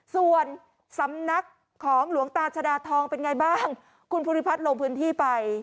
ส่วนสำนักของหลวงตาชดาทองเป็นไงบ้างคุณภูริพัฒน์ลงพื้นที่ไป